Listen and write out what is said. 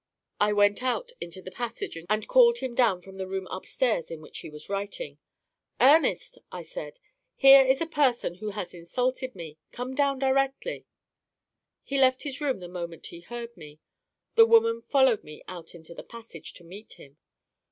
I went out into the passage and called him down from the room upstairs in which he was writing. 'Ernest,' I said, 'here is a person who has insulted me. Come down directly.' He left his room the moment he heard me. The woman followed me out into the passage to meet him.